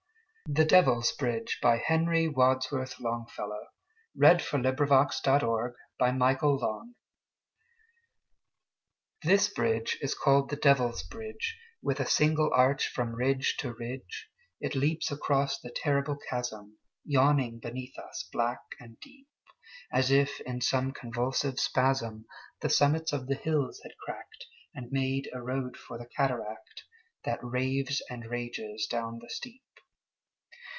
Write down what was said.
the River The Devil's Bridge By Henry Wadsworth Longfellow (1807–1882) (From The Golden Legend)THIS bridge is called the Devil's Bridge, With a single arch, from ridge to ridge, It leaps across the terrible chasmYawning beneath us, black and deep, As if in some convulsive spasm, The summits of the hills had cracked, And made a road for the cataract, That raves and rages down the steep!